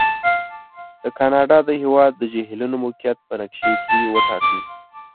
د کاناډا د هېواد د جهیلونو موقعیت په نقشې کې وټاکئ.